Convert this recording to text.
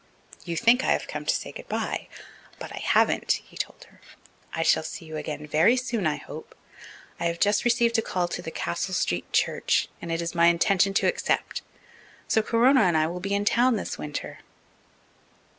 "You think I have come to say good bye, but I haven't," he told her. "I shall see you again very soon, I hope. I have just received a call to Castle Street church, and it is my intention to accept. So Corona and I will be in town this winter."